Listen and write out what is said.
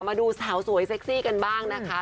มาดูสาวสวยเซ็กซี่กันบ้างนะคะ